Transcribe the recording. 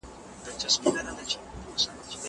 زه پرون د کتابتوننۍ سره مرسته وکړه!